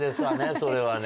それはね。